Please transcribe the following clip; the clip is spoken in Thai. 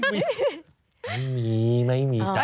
ไม่มีไม่มีจ้